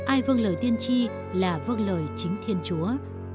ai vâng lời tiên tri là vâng lời chính thiên chúa